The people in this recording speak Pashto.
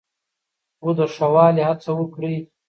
خو د ښه والي هڅه وکړئ.